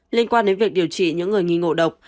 liên quan đến việc điều trị những người nghi ngộ độc